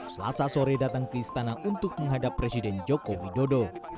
selasa sore datang ke istana untuk menghadap presiden joko widodo